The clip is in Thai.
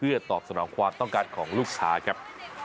เพื่อตอบสำหรับความต้องการของลูกภาพครับ